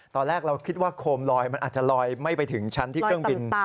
ตอนแรกเราคิดว่าโคมลอยมันอาจจะลอยไม่ไปถึงชั้นที่เครื่องบิน